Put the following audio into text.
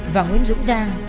và nguyễn dũng giang